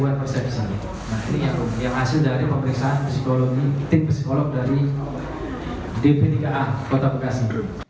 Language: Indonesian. nah ini yang hasil dari pemeriksaan psikologi tim psikolog dari dp tiga a kota bekasi